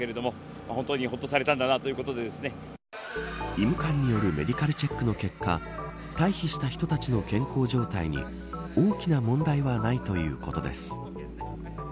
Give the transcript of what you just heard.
医務官によるメディカルチェックの結果退避した人たちの健康状態に大きな問題はないということです。